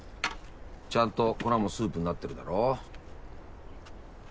ちゃんと粉もスープになってるだろ。